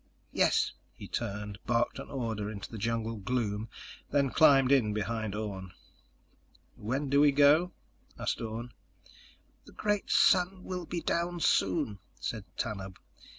"Yes." He turned, barked an order into the jungle gloom, then climbed in behind Orne. "When do we go?" asked Orne. "The great sun will be down soon," said Tanub.